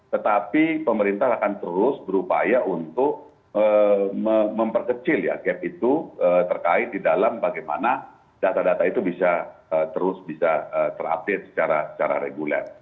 tetapi pemerintah akan terus berupaya untuk memperkecil ya gap itu terkait di dalam bagaimana data data itu bisa terus bisa terupdate secara reguler